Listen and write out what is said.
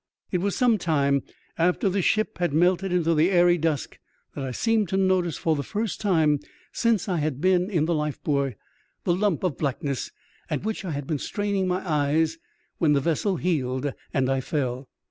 It was some time after the ship had melted into the airy dusk that I seemed to notice, for the first time since I had been in the lifebuoy, the lump of black ness at which I had been straining my eyes when the vessel heeled and I fell.